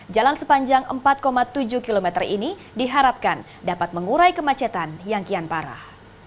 jalan sepanjang empat tujuh km ini diharapkan dapat mengurai kemacetan yang kian parah